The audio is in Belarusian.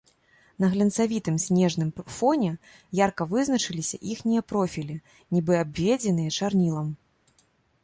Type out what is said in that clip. На глянцавітым снежным фоне ярка вызначыліся іхнія профілі, нібы абведзеныя чарнілам.